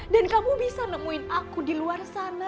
dan kamu bisa nemuin aku di luar sana